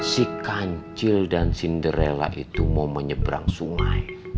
si kancil dan cinderella itu mau menyeberang sungai